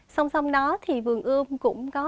xong xong đó thì vườn ươm cũng có